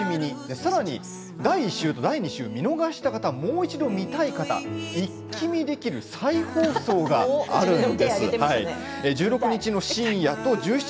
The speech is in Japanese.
さらに、第１週と第２週を見逃した方もう一度見たい方一気見できる再放送があるんです。